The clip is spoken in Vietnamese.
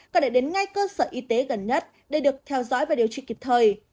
có thể đến ngay cơ sở y tế gần nhất để được theo dõi và điều trị kịp thời